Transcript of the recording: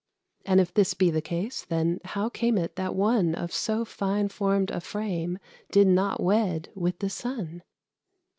And if this be the case, then, how came it that one Of so fine formed a frame did not wed with the Sun?